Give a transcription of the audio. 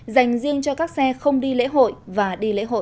dành riêng cho các xe không đi lễ hội và đi lễ hội